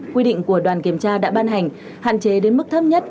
quy định của đoàn kiểm tra đã ban hành hạn chế đến mức thấp nhất